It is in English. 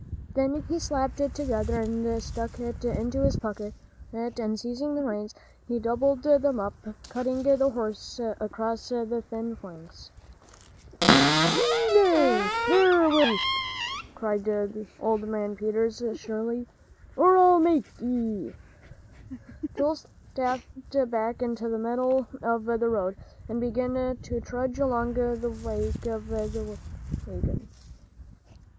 Then he slapped it together and stuck it into his pocket, and seizing the reins, he doubled them up, cutting the horse across the thin flanks. "Gee lang, there will you!" cried old man Peters, shrilly, "or I'll make ye!" Joel stepped back into the middle of the road, and began to trudge along in the wake of the wagon.